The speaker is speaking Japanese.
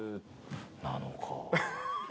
なのか。